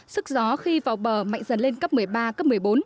sức gió khi vào bờ mạnh dần lên cấp một mươi ba cấp một mươi bốn